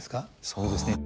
そうですね。